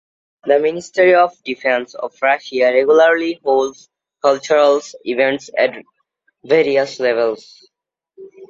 The Ministry of Defence of Russia regularly holds cultural events at various levels.